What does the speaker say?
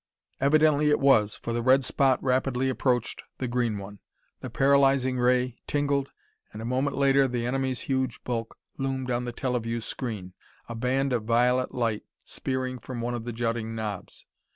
Evidently it was, for the red spot rapidly approached the green one. The paralyzing ray tingled, and a moment later the enemy's huge bulk loomed on the teleview screen, a band of violet light spearing from one of her jutting knobs.